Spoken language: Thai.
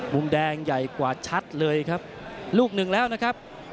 มุมแดงใหญ่กว่าชัดเลยครับลูกหนึ่งแล้วนะครับ